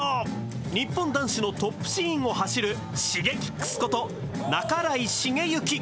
日本男子のトップシーンを走るＳｈｉｇｅｋｉｘこと半井重幸